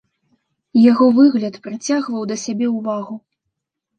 Яго выгляд прыцягваў да сябе ўвагу.